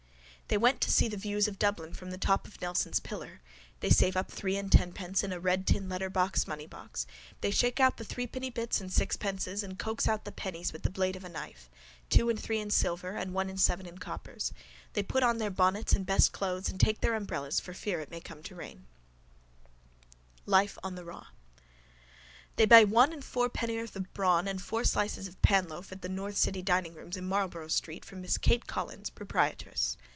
—They want to see the views of Dublin from the top of Nelson's pillar. They save up three and tenpence in a red tin letterbox moneybox. They shake out the threepenny bits and sixpences and coax out the pennies with the blade of a knife. Two and three in silver and one and seven in coppers. They put on their bonnets and best clothes and take their umbrellas for fear it may come on to rain. —Wise virgins, professor MacHugh said. LIFE ON THE RAW —They buy one and fourpenceworth of brawn and four slices of panloaf at the north city diningrooms in Marlborough street from Miss Kate Collins, proprietress...